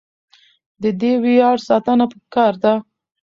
د دې ویاړ ساتنه پکار ده.